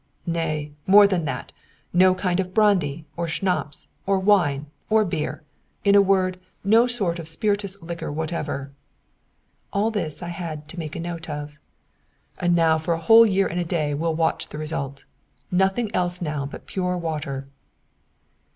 "Nay, more than that, no kind of brandy, or schnaps, or wine, or beer; in a word, no sort of spirituous liquor whatever." All this I had to make a note of. "And now for a whole year and a day we'll watch the result. Nothing else now but pure water."